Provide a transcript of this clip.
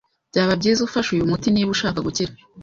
Byaba byiza ufashe uyu muti niba ushaka gukira.